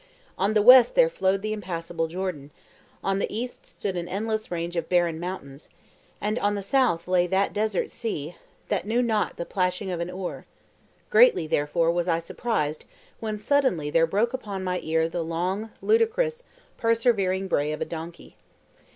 On the west there flowed the impassable Jordan, on the east stood an endless range of barren mountains, and on the south lay that desert sea that knew not the plashing of an oar; greatly therefore was I surprised when suddenly there broke upon my ear the long, ludicrous, persevering bray of a donkey.